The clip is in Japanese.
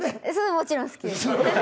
もちろん好きです。